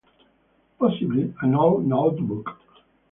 Possibly an old notebook.